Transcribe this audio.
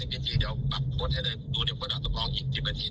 เดี๋ยวกลับโพสต์ให้เลยดูเดี๋ยวกับรัฐปองอีกกี่ประที